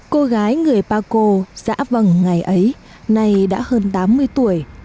cô gái người paco giã vầng ngày ấy nay đã hơn tám mươi tuổi